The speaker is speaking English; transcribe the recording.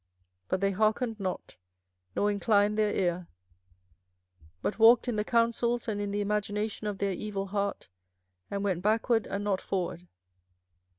24:007:024 But they hearkened not, nor inclined their ear, but walked in the counsels and in the imagination of their evil heart, and went backward, and not forward.